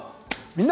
「みんな！